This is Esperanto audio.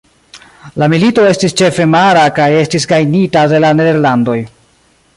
La milito estis ĉefe mara kaj estis gajnita de la Nederlandoj.